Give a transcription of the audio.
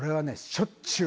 しょっちゅうある。